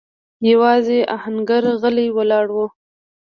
يواځې آهنګر غلی ولاړ و.